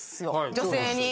女性に。